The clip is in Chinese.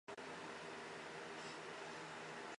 红脉蛇根草为茜草科蛇根草属下的一个种。